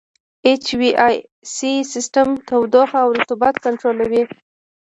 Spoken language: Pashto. اچ وي اې سي سیسټم تودوخه او رطوبت کنټرولوي.